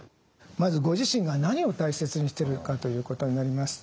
まずご自身が何を大切にしてるかということになります。